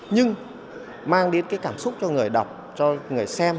nhưng mang đến cái cảm xúc cho người đọc cho người xem